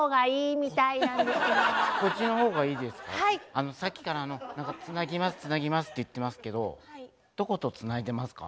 あのさっきから「つなぎますつなぎます」って言ってますけどどことつないでますか？